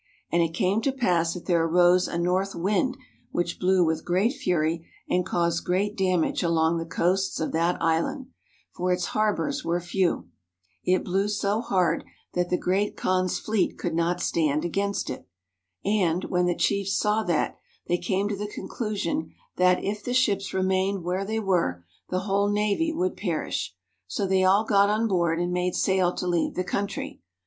And it came to pass that there arose a north wind which blew with great fury, and caused great damage along the coasts of that island, for its harbors were few. It blew so hard that the Great Kaan's fleet could not stand against it. And, when the chiefs saw that, they came to the conclusion that, if the ships remained where they were, the whole navy would perish. So they all got on board and made sail to leave the country.